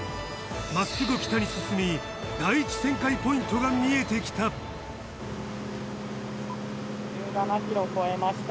まっすぐ北に進み第１旋回ポイントが見えてきた１７ｋｍ超えました。